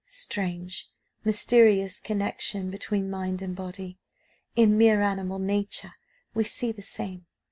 "Strange, mysterious connection between mind and body; in mere animal nature we see the same.